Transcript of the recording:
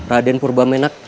raden purba menak